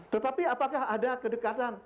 tetapi apakah ada kedekatan